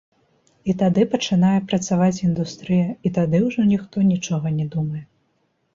І тады пачынае працаваць індустрыя, і тады ўжо ніхто нічога не думае.